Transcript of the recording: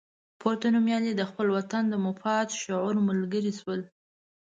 پورته نومیالي د خپل وطن د مفاد شعور ملګري شول.